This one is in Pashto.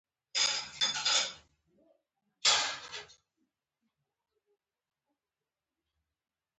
کوربه د ژبې ادب ساتي.